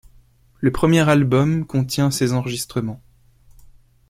Le premier album contient ces enregistrements.